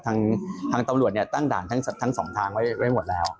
ทางตำรวจเนี่ยตั้งด่านทั้งสองทางไว้หมดแล้ว